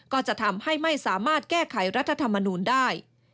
ก็จะทำให้ไม่สามารถแก้ไขรัฐธรรมนูลได้